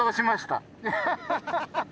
アハハハ！